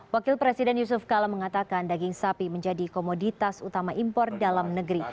wakil presiden yusuf kala mengatakan daging sapi menjadi komoditas utama impor dalam negeri